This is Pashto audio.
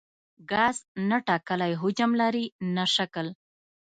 ګاز نه ټاکلی حجم لري نه شکل.